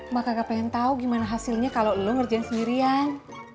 mak kagak pengen tau gimana hasilnya kalo lo ngerjain sendirian